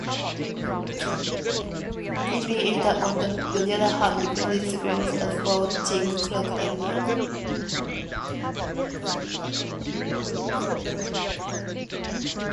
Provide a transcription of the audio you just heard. Pliny the Elder, on the other hand, represents the "Cassiterides" as fronting Celtiberia.